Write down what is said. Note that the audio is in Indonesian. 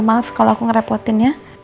maaf kalau aku ngerepotin ya